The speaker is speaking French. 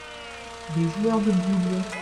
des joueurs de boules.